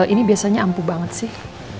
ini biasanya ampuh banget sih